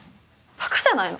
バカじゃないの！